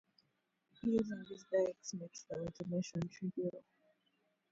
Using these dyes makes the automation trivial.